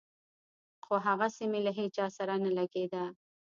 خو هغسې مې له هېچا سره نه لګېده.